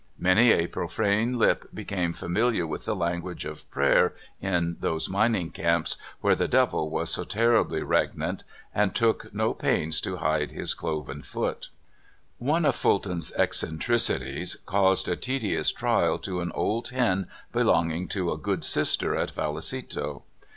Many a profane lip became familiar with the language of prayer in those mining camps where the devil was so terribly regnant, and took no pains to hide his cloven foot. FULTON. 35 One of Fulton's eccentricities caused a tedious trial to an old hen belonging to a good sister at Vallecito.